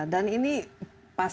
dan ini pas